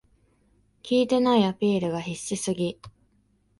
効いてないアピールが必死すぎ